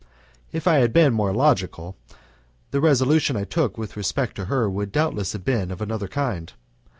If I had been more logical, the resolution I took with respect to her would doubtless have been of another kind.